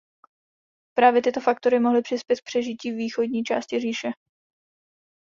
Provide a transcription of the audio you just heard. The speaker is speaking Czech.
Právě tyto faktory mohly přispět k přežití východní části říše.